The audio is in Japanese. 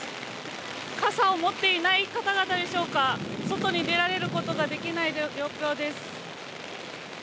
傘を持っていない方々でしょうか、外に出られることができない状況です。